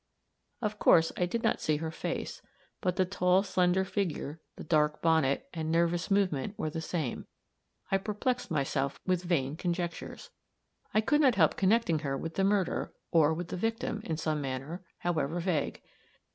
Of course I did not see her face; but the tall, slender figure, the dark bonnet, and nervous movement, were the same. I perplexed myself with vain conjectures. I could not help connecting her with the murder, or with the victim, in some manner, however vague.